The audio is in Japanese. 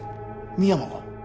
深山が？